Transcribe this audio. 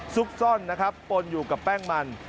ซุกซ่อนนะครับปนอยู่กับแป้งมัน